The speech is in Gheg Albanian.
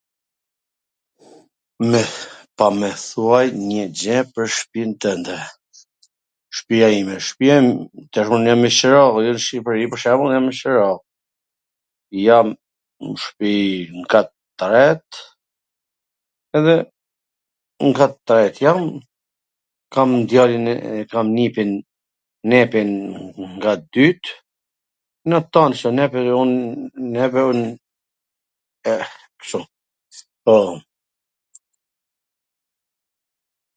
Pa mw thuaj njw gjw pwr shpin twnde. Shpija ime, shpija... tashi un jam me qira, nw Shqipwri pwr shembull jam me qira, jam n shpi n kat tret, edhe n kat tret jam, kam djalin, nipin n kat dyt, ne tant, se nipi, un... kshtu, po.